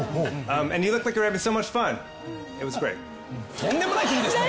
とんでもない国ですね。